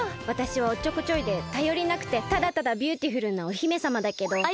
わたしはおっちょこちょいでたよりなくてただただビューティフルなお姫さまだけど。